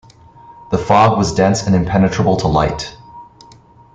The fog was dense and impenetrable to light.